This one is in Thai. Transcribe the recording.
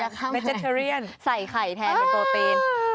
แล้วอยากทำแบตเจ็ตเทอเรียนใส่ไข่แทนเป็นโปรตีน